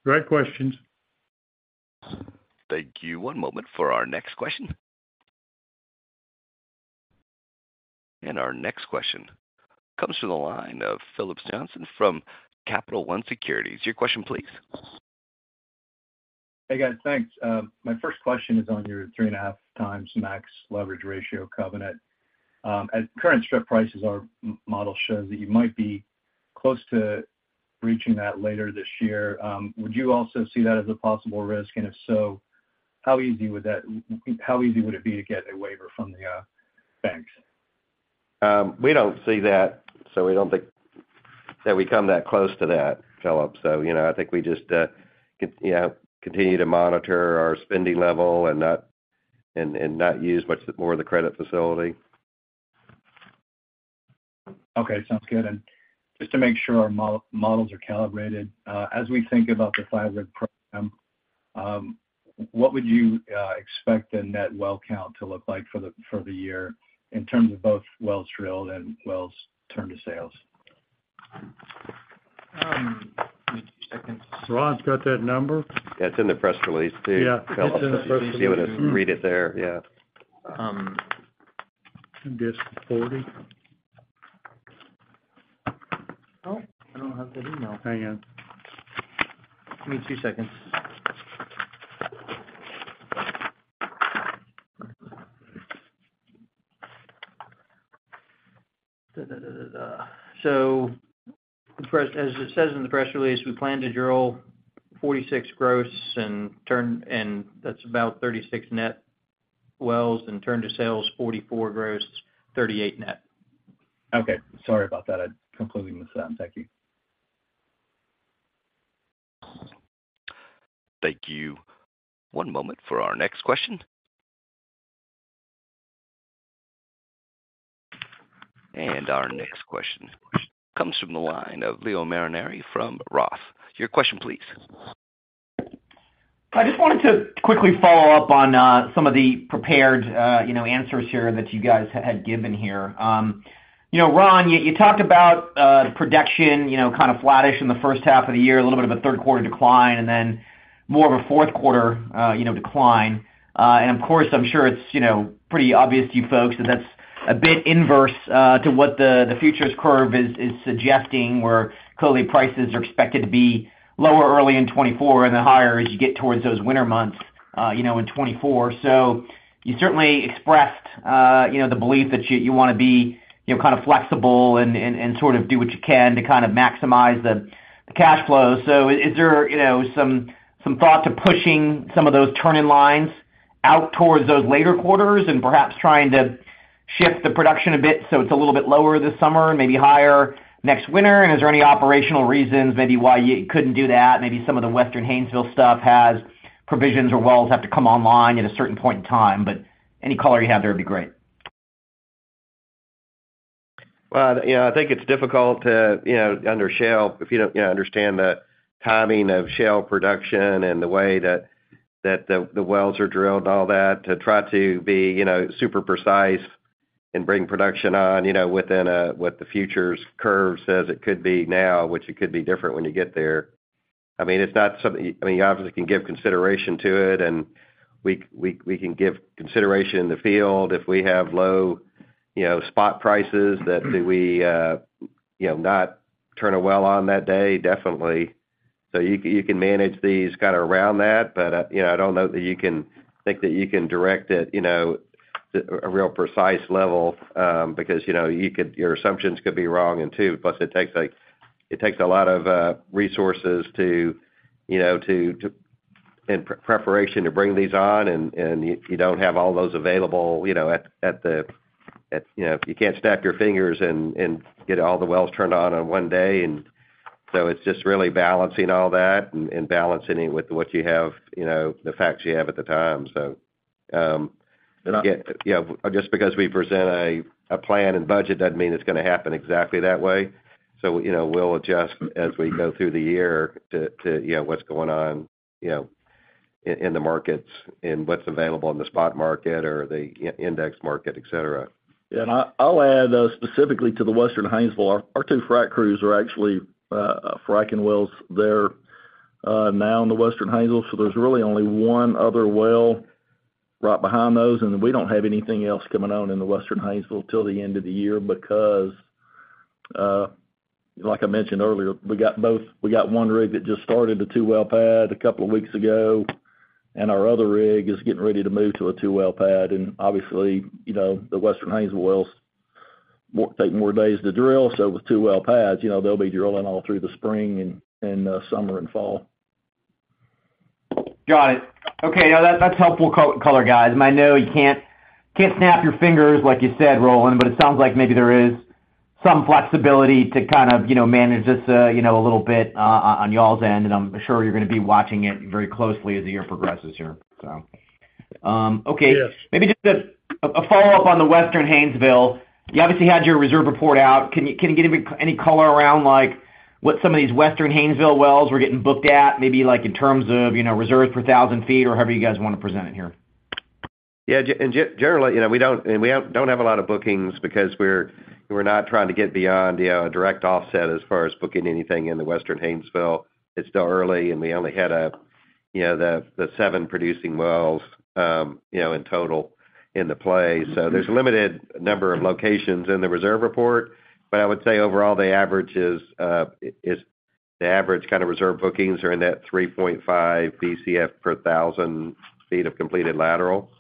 Great questions. Thank you. One moment for our next question. Our next question comes to the line of Phillips Johnston from Capital One Securities. Your question, please. Hey, guys. Thanks. My first question is on your 3.5x max leverage ratio covenant. As current strip prices are, model shows that you might be close to reaching that later this year. Would you also see that as a possible risk? How easy would it be to get a waiver from the banks? We don't see that, so we don't think that we come that close to that, Phillips so I think we just continue to monitor our spending level and not use much more of the credit facility. Okay. Sounds good. And just to make sure our models are calibrated, as we think about the five rig program, what would you expect the net well count to look like for the year in terms of both wells drilled and wells turned to sales? Give me two seconds. Ron's got that number? Yeah. It's in the press release too, Phillips. Yeah. It's in the press release. You can see when it's read it there. Yeah. I guess 40. Oh, I don't have that email. Hang on. Give me two seconds. As it says in the press release, we plan to drill 46 gross, and that's about 36 net wells, and turn to sales 44 gross, 38 net. Okay. Sorry about that. I completely missed that. Thank you. Thank you. One moment for our next question. Our next question comes from the line of Leo Mariani from Roth. Your question, please. I just wanted to quickly follow up on some of the prepared answers here that you guys had given here. Ron, you talked about production kind of flattish in the first half of the year, a little bit of a Q3 decline, and then more of a Q4 decline. And of course, I'm sure it's pretty obvious to you folks that that's a bit inverse to what the futures curve is suggesting, where clearly prices are expected to be lower early in 2024 and then higher as you get towards those winter months in 2024. You certainly expressed the belief that you want to be kind of flexible and sort of do what you can to kind of maximize the cash flow. So is there some thought to pushing some of those turn-in lines out towards those later quarters and perhaps trying to shift the production a bit so it's a little bit lower this summer and maybe higher next winter? And is there any operational reasons maybe why you couldn't do that? Maybe some of the Western Haynesville stuff has provisions where wells have to come online at a certain point in time. But any color you have there would be great. Well, I think it's difficult under shale if you don't understand the timing of shale production and the way that the wells are drilled and all that, to try to be super precise and bring production on within what the futures curve says it could be now, which it could be different when you get there. I mean, it's not something I mean, you obviously can give consideration to it, and we can give consideration in the field. If we have low spot prices, do we not turn a well on that day? Definitely. You can manage these kind of around that, but I don't know that you can think that you can direct it to a real precise level because your assumptions could be wrong in two plus, it takes a lot of resources in preparation to bring these on, and you don't have all those available. You can't snap your fingers and get all the wells turned on in one day. It's just really balancing all that and balancing it with what you have, the facts you have at the time, so. Just because we present a plan and budget doesn't mean it's going to happen exactly that way. So we'll adjust as we go through the year to what's going on in the markets and what's available in the spot market or the index market, etc. Yeah. I'll add specifically to the Western Haynesville, our two frac crews are actually fracking wells there now in the Western Haynesville so there's really only one other well right behind those, and we don't have anything else coming on in the Western Haynesville till the end of the year because, like I mentioned earlier, we got one rig that just started a two-well pad a couple of weeks ago, and our other rig is getting ready to move to a two-well pad and obviously, the Western Haynesville wells take more days to drill so with two-well pads, they'll be drilling all through the spring and summer and fall. Got it. Okay. No, that's helpful color, guys. And I know you can't snap your fingers, like you said, Roland, but it sounds like maybe there is some flexibility to kind of manage this a little bit on y'all's end and I'm sure you're going to be watching it very closely as the year progresses here, so. Okay. Maybe just a follow-up on the Western Haynesville. You obviously had your reserve report out. Can you give any color around what some of these Western Haynesville wells were getting booked at, maybe in terms of reserves per 1,000 ft or however you guys want to present it here? Yeah. Generally, we don't have a lot of bookings because we're not trying to get beyond a direct offset as far as booking anything in the Western Haynesville. It's still early, and we only had the seven producing wells in total in the play. There's a limited number of locations in the reserve report, but I would say overall, the average is the average kind of reserve bookings are in that 3.5 BCF per 1,000 ft of completed lateral.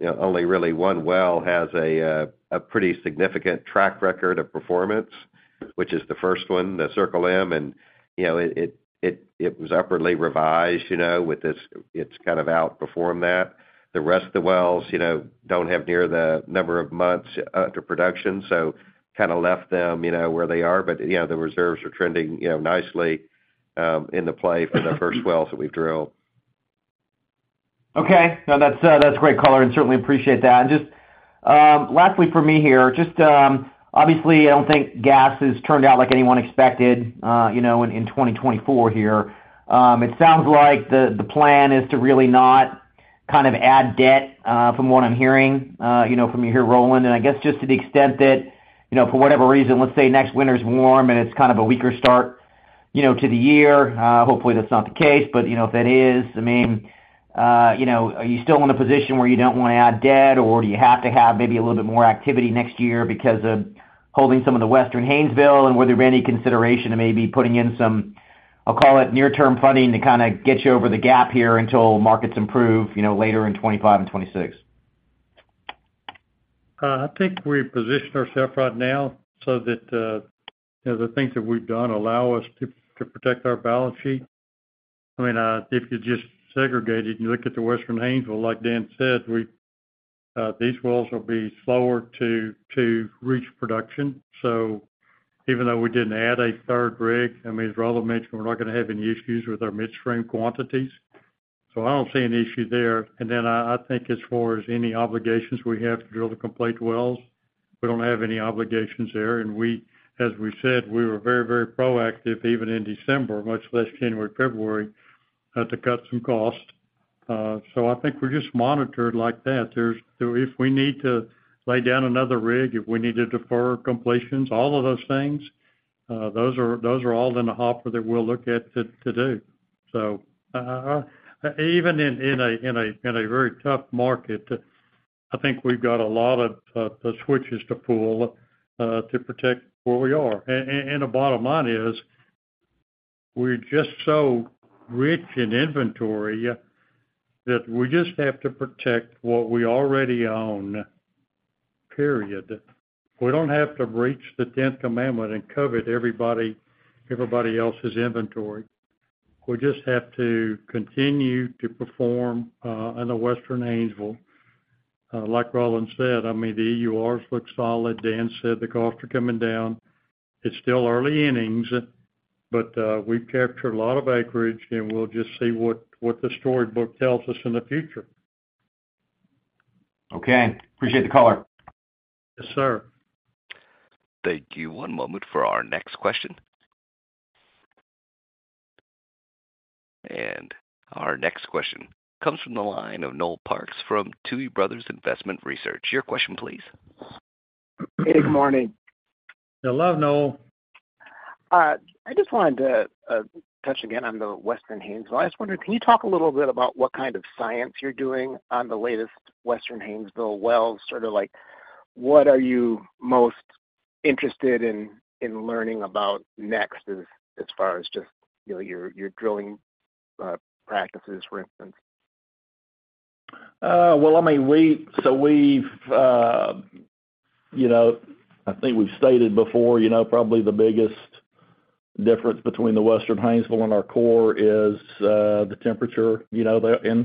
Only really one well has a pretty significant track record of performance, which is the first one, the Circle M and it was upwardly revised with this it's kind of outperformed that. The rest of the wells don't have near the number of months to production, kind of left them where they are but the reserves are trending nicely in the play for the first wells that we've drilled. Okay. No, that's great color and certainly appreciate that. And just lastly for me here, obviously, I don't think gas has turned out like anyone expected in 2024 here. It sounds like the plan is to really not kind of add debt, from what I'm hearing from you here, Roland and I guess just to the extent that for whatever reason, let's say next winter's warm and it's kind of a weaker start to the year, hopefully that's not the case but if that is, I mean, Are you still in a position where you don't want to add debt, or do you have to have maybe a little bit more activity next year because of holding some of the Western Haynesville and would there be any consideration to maybe putting in some I'll call it near-term funding to kind of get you over the gap here until markets improve later in 2025 and 2026? I think we position ourselves right now so that the things that we've done allow us to protect our balance sheet. I mean, if you just segregate it and you look at the Western Haynesville, like Dan said, these wells will be slower to reach production. Even though we didn't add a third rig, I mean, as Roland mentioned, we're not going to have any issues with our midstream quantities. So I don't see an issue there and then I think as far as any obligations we have to drill and complete wells, we don't have any obligations there and as we said, we were very, very proactive, even in December, much less January or February, to cut some cost. So I think we're just monitored like that. If we need to lay down another rig, if we need to defer completions, all of those things, those are all in the hopper that we'll look at to do. Even in a very tough market, I think we've got a lot of switches to pull to protect where we are. The bottom line is we're just so rich in inventory that we just have to protect what we already own, period. We don't have to breach the 10th Commandment and covet everybody else's inventory. We just have to continue to perform in the Western Haynesville. Like Roland said, I mean, the EURs look solid Dan said the costs are coming down. It's still early innings, but we've captured a lot of acreage, and we'll just see what the storybook tells us in the future. Okay. Appreciate the color. Yes, sir. Thank you. One moment for our next question. Our next question comes from the line of Noel Parks from Tuohy Brothers Investment Research. Your question, please. Hey. Good morning. Hello, Noel. I just wanted to touch again on the Western Haynesville i just wondered, can you talk a little bit about what kind of science you're doing on the latest Western Haynesville wells? Sort of what are you most interested in learning about next as far as just your drilling practices, for instance? I mean, I think we've stated before, probably the biggest difference between the Western Haynesville and our core is the temperature in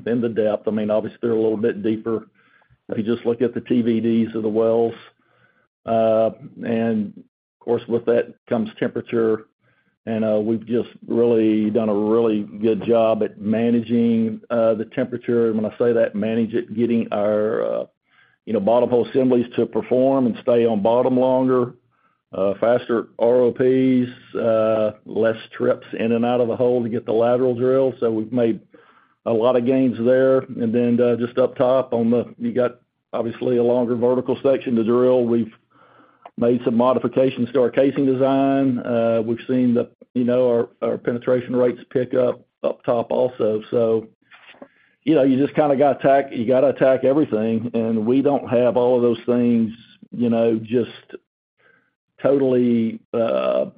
the depth. I mean, obviously, they're a little bit deeper if you just look at the TVDs of the wells. And of course, with that comes temperature. And we've just really done a really good job at managing the temperature and when I say that, manage it, getting our bottom hole assemblies to perform and stay on bottom longer, faster ROPs, less trips in and out of the hole to get the lateral drill so we've made a lot of gains there and then just up top, you've got, obviously, a longer vertical section to drill. We've made some modifications to our casing design. We've seen our penetration rates pick up up top also. You just kind of got to attack. You got to attack everything. And we don't have all of those things just totally kind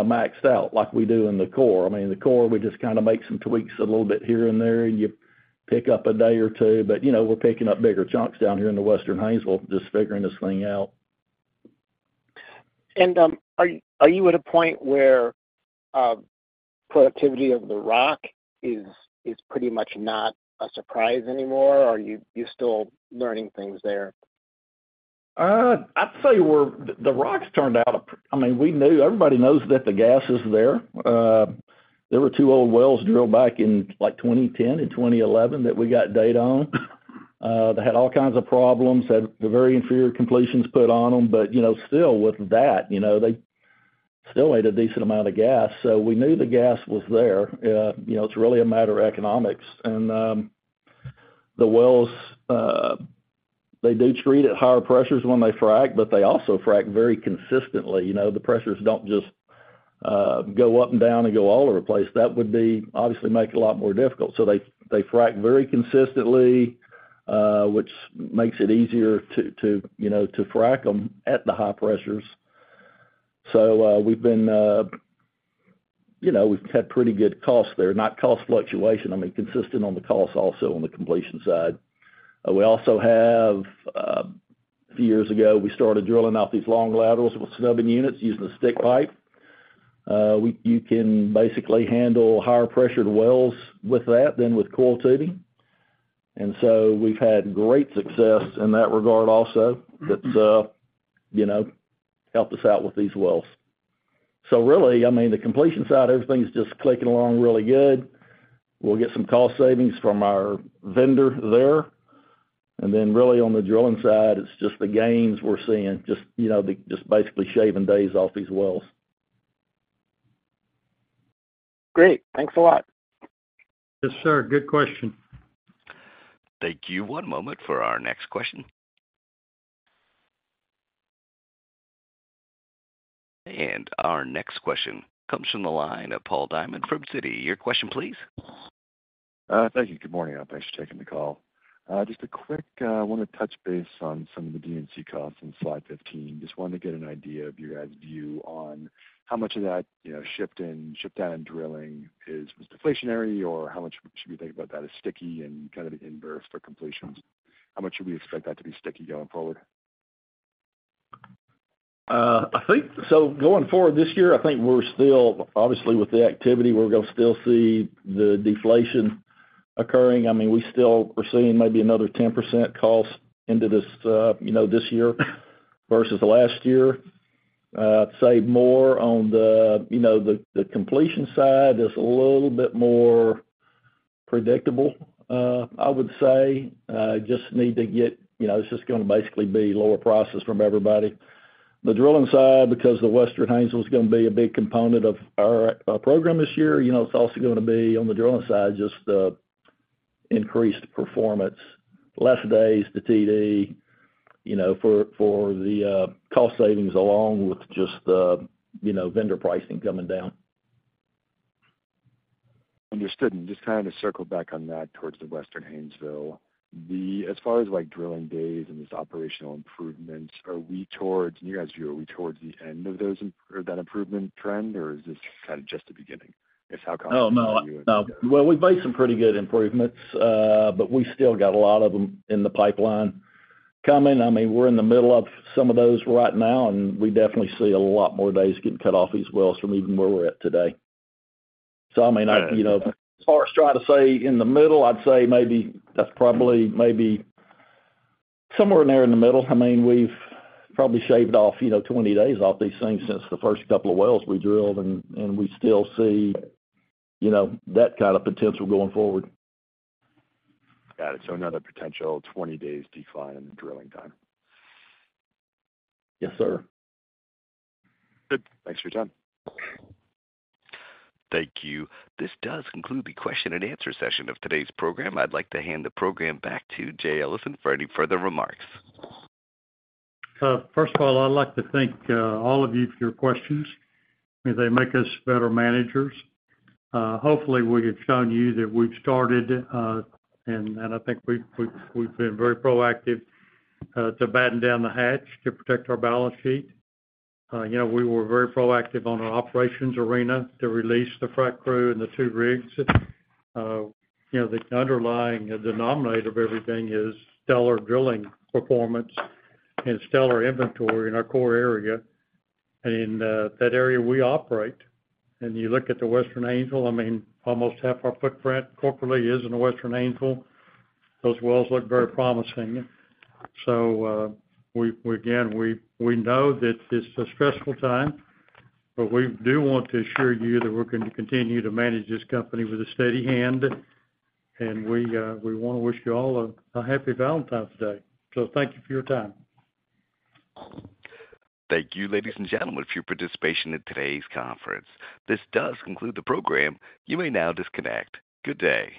of maxed out like we do in the core i mean, in the core, we just kind of make some tweaks a little bit here and there, and you pick up a day or two but we're picking up bigger chunks down here in the Western Haynesville just figuring this thing out. Are you at a point where? productivity of the rock is pretty much not a surprise anymore, or are you still learning things there? I'd say the rock's turned out. I mean, everybody knows that the gas is there. There were two old wells drilled back in 2010 and 2011 that we got data on that had all kinds of problems, had the very inferior completions put on them. But still, with that, they still made a decent amount of gas. We knew the gas was there. It's really a matter of economics. The wells, they do treat at higher pressures when they frack, but they also frack very consistently the pressures don't just go up and down and go all over the place that would obviously make it a lot more difficult so they frack very consistently, which makes it easier to frack them at the high pressures. We've had pretty good costs there, not cost fluctuation i mean, consistent on the costs also on the completion side. A few years ago, we started drilling out these long laterals with snubbing units using a stick pipe. You can basically handle higher-pressured wells with that than with coiled tubing. We've had great success in that regard. Also, that's helped us out with these wells. So really, I mean, the completion side, everything's just clicking along really good. We'll get some cost savings from our vendor there. Then really, on the drilling side, it's just the gains we're seeing, just basically shaving days off these wells. Great. Thanks a lot. Yes, sir. Good question. Thank you. One moment for our next question. Our next question comes from the line of Paul Diamond from Citi. Your question, please. Thank you. Good morning. Thanks for taking the call. Just a quick, I wanted to touch base on some of the D&C costs on slide 15. Just wanted to get an idea of your guys' view on how much of that shipped down and drilling is deflationary, or how much should we think about that as sticky and kind of an inverse for completions? How much should we expect that to be sticky going forward? Going forward this year, I think we're still obviously, with the activity, we're going to still see the deflation occurring i mean, we still are seeing maybe another 10% cost into this year versus last year. I'd say more on the completion side is a little bit more predictable, I would say. Just need to get it's just going to basically be lower prices from everybody. The drilling side, because the Western Haynesville is going to be a big component of our program this year, it's also going to be, on the drilling side, just increased performance, less days to TD for the cost savings along with just the vendor pricing coming down. Understood. And just kind of to circle back on that towards the Western Haynesville, as far as drilling days and these operational improvements, are we towards in your guys' view, are we towards the end of that improvement trend, or is this kind of just the beginning, if how common are you? Oh, No. Well, we've made some pretty good improvements, but we still got a lot of them in the pipeline coming. I mean, we're in the middle of some of those right now, and we definitely see a lot more days getting cut off these wells from even where we're at today. So, I mean, as far as trying to say in the middle, I'd say maybe that's probably maybe somewhere in there in the middle i mean, we've probably shaved off 20 days off these things since the first couple of wells we drilled, and we still see that kind of potential going forward. Got it. So another potential 20-day decline in the drilling time. Yes, sir. Good. Thanks for your time. Thank you. This does conclude the question-and-answer session of today's program. I'd like to hand the program back to Jay Allison for any further remarks. First of all, I'd like to thank all of you for your questions. I mean, they make us better managers. Hopefully, we have shown you that we've started, and I think we've been very proactive to batten down the hatch to protect our balance sheet. We were very proactive on our operations arena to release the frac crew and the two rigs. The underlying denominator of everything is stellar drilling performance and stellar inventory in our core area. In that area, we operate. And you look at the Western Haynesville, I mean, almost half our footprint corporately is in the Western Haynesville. Those wells look very promising. Again, we know that it's a stressful time, but we do want to assure you that we're going to continue to manage this company with a steady hand. And we want to wish you all a happy Valentine's Day. Thank you for your time. Thank you, ladies and gentlemen, for your participation in today's conference. This does conclude the program. You may now disconnect. Good day.